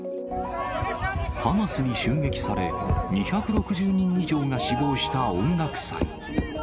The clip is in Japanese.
ハマスに襲撃され、２６０人以上が死亡した音楽祭。